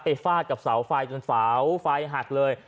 ฟาดกับเสาไฟจนเสาไฟหักเลย